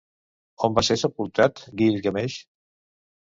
On va ser sepultat Guilgameix?